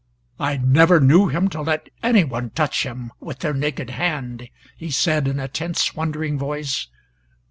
"I never knew him to let any one touch him with their naked hand," he said in a tense wondering voice.